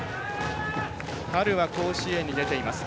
春は甲子園に出ています。